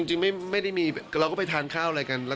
จริงไม่ได้มีเราก็ไปทานข้าวอะไรกัน